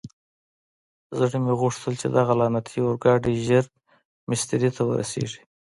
زړه مې غوښتل چې دغه لعنتي اورګاډی ژر مېسترې ته ورسېږي.